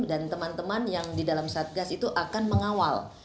dan teman teman yang di dalam satgas itu akan mengawal